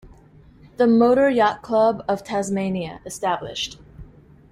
The Motor Yacht Club of Tasmania Est.